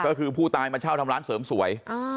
ก็คือผู้ตายมาเช่าทำร้านเสริมสวย